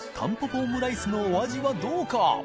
オムライスのお味はどうか？